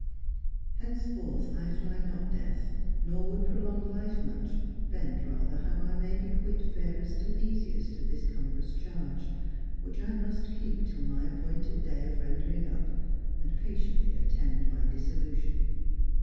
'• Henceforth I fly not death, nor would prolong Life much, bent rather how I may be quit Fairest and easiest of this cumbrous charge, Which I must keep till my appointed day Of rendering up, and patiently attend My dissolution."